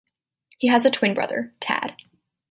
He has a twin brother, Tad.